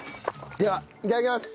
ではいただきます。